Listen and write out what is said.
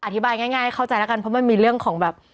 อธิบายง่ายเข้าใจแล้วกันเพราะมันมีเรื่องของแบบ